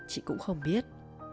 chị cũng không biết